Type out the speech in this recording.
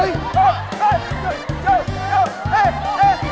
ผมไม่อยากจะเชื่อเลยพี่